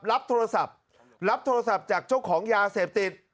รับโทรศัพท์รับโทรศัพท์จากเจ้าของยาเสพติด